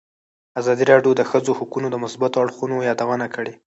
ازادي راډیو د د ښځو حقونه د مثبتو اړخونو یادونه کړې.